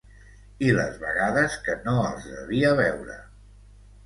I les vegades que no els devia veure.